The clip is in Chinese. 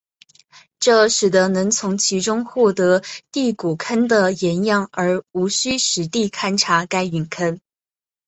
这使得能从其中获得第谷坑的岩样而无需实地勘查该陨坑。